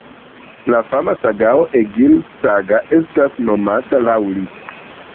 La fama sagao Egils-Saga estas nomata laŭ li.